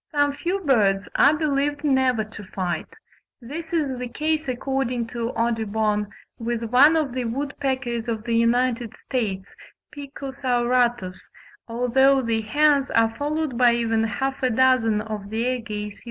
Some few birds are believed never to fight; this is the case, according to Audubon, with one of the woodpeckers of the United States (Picu sauratus), although "the hens are followed by even half a dozen of their gay suitors."